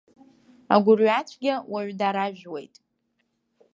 Агәырҩацәгьа уаҩ даражәуеит.